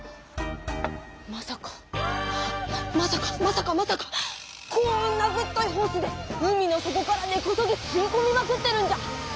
まさかまさかまさかまさかこんなぶっといホースで海の底から根こそぎすいこみまくってるんじゃ。